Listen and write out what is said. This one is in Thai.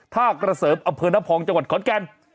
ท่ากระเสริมอเผินนภองจังหวัดขอดแกน